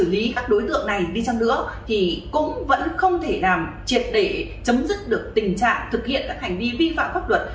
vì các đối tượng này đi chăng nữa thì cũng vẫn không thể nào triệt để chấm dứt được tình trạng thực hiện các hành vi vi phạm pháp luật